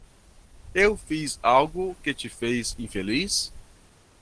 Eu fiz algo que te fez infeliz?